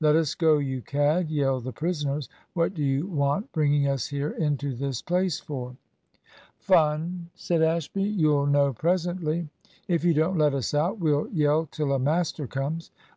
"Let us go, you cad!" yelled the prisoners. "What do you want bringing us here into this place for?" "Fun," said Ashby. "You'll know presently." "If you don't let us out, we'll yell till a master comes."